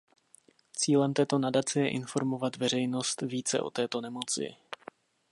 Cílem této nadace je informovat veřejnost více o této nemoci.